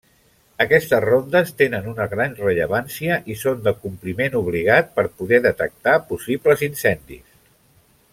Aquestes rondes tenen una gran rellevància i són d'acompliment obligat, per poder detectar possibles incendis.